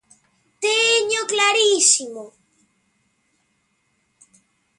Téñoo clarísimo.